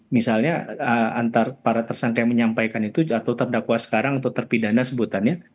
misalnya antara para tersangka yang menyampaikan itu atau terdakwa sekarang atau terpidana sebutannya